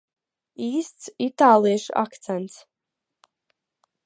Īsts itāliešu akcents.